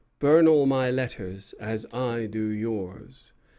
Burn all my letters, as I do yours."